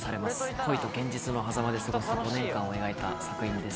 恋と現実のはざまで過ごす５年間を描いた作品です。